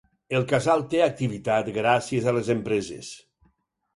El Casal té activitat gràcies a les empreses.